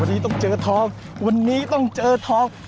วันนี้ต้องเจอทองวันนี้ต้องเจอทอง